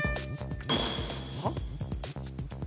はっ？